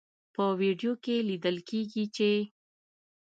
په ویډیو کې لیدل کیږي چې